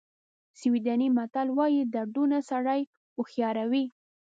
سویډني متل وایي دردونه سړی هوښیاروي.